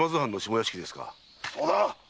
そうだ！